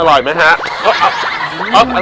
โอ้โหโอ้โหโอ้โหโอ้โหโอ้โหโอ้โหโอ้โหโอ้โหโอ้โห